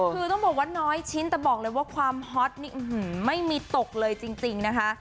คือต้องบอกว่าน้อยชิ้นแต่บอกเลยว่าความฮอตนี่ไม่มีตกเลยจริงนะคะ